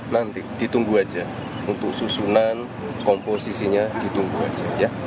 nanti ditunggu aja untuk susunan komposisinya ditunggu aja